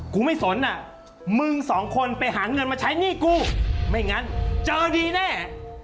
กูไม่สนอ่ะมึงสองคนไปหาเงินมาใช้หนี้กูไม่งั้นเจอดีแน่